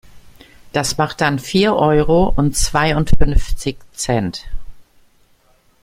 Das macht dann vier Euro und zweiundfünfzig Cent.